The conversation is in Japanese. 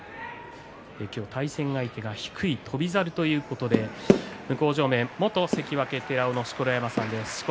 今日、対戦相手が低い翔猿ということで向正面、元関脇寺尾の錣山さん。